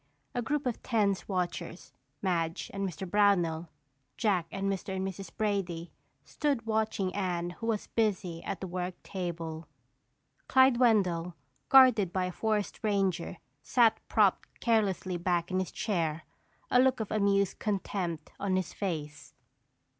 A group of tense watchers, Madge and Mr. Brownell, Jack, and Mr. and Mrs. Brady, stood watching Anne who was busy at the work table. Clyde Wendell, guarded by a forest ranger, sat propped carelessly back in his chair, a look of amused contempt on his face.